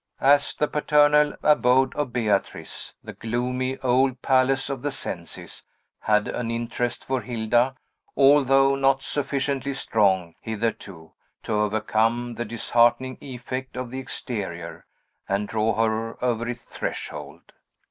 As the paternal abode of Beatrice, the gloomy old palace of the Cencis had an interest for Hilda, although not sufficiently strong, hitherto, to overcome the disheartening effect of the exterior, and draw her over its threshold.